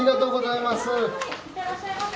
いってらっしゃいませ。